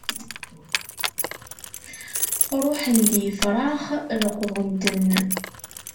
Ṛuḥen-d yefṛax leqḍen-ten.